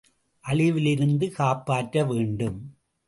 அழிவிலிருந்து காப்பாற்ற வேண்டும்!